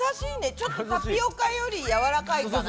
ちょっとタピオカよりやわらかいかな。